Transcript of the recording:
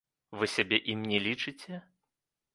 Вы сябе ім не лічыце?